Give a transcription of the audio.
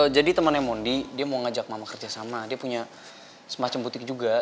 jadi temannya mondi dia mau ngajak mama kerjasama dia punya semacam butik juga